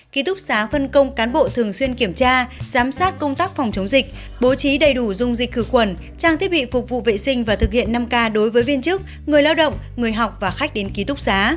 ký túc xá phân công cán bộ thường xuyên kiểm tra giám sát công tác phòng chống dịch bố trí đầy đủ dung dịch khử khuẩn trang thiết bị phục vụ vệ sinh và thực hiện năm k đối với viên chức người lao động người học và khách đến ký túc xá